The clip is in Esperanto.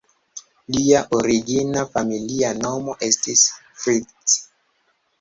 Lia origina familia nomo estis "Fritz".